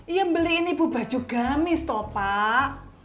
iya beliin ibu baju gamis tuh pak